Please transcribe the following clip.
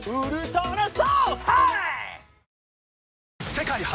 世界初！